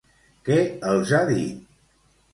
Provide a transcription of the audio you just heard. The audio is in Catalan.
Què els ha dit?